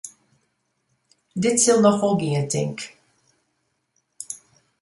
Dit sil noch wol gean, tink.